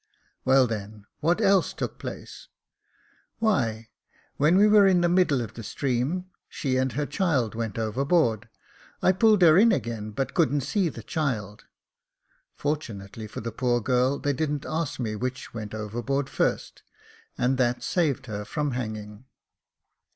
' Well then, what else took place ?'' Why, when we were in the middle of the stream, she and her child went overboard ; I pulled her in again, but couldn't see the child.' Fortunately for the poor girl, they didn't ask me which went overboard first, and that saved her from hanging.